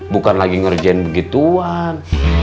bukan lagi ngerjain begituan